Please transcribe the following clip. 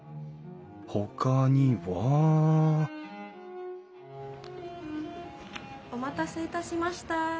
ほかにはお待たせいたしました。